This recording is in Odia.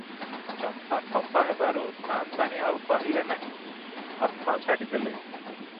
ଚମ୍ପା ଖପା ହେବାରୁ ସାଆନ୍ତାଣୀ ଆଉ କହିଲେ ନାହିଁ, ଅନ୍ନ ଛାଡ଼ିଦେଲେ ।